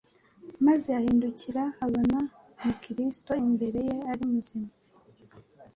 maze ahindukiye abona ni Kristo imbere ye ari muzima.